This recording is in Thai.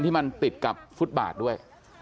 ที่มันติดกับฟุตบาทด้วย